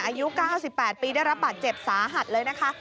อายุ๙๘ปีได้รับบาดเจ็บสาหัสเลยนะคะ